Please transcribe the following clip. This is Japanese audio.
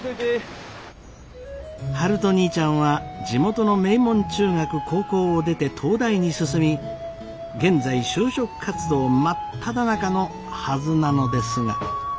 悠人兄ちゃんは地元の名門中学・高校を出て東大に進み現在就職活動真っただ中のはずなのですが。